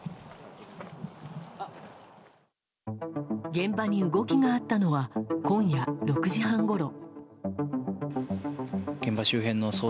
現場に動きがあったのは今夜６時半ごろ。